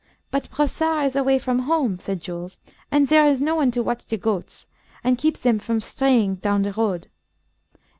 "But Brossard is away from home," said Jules, "and there is no one to watch the goats, and keep them from straying down the road.